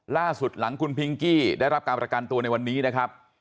ล่าสุดหลังคุณพิงกี้ได้รับการประกันตัวในวันนี้นะครับ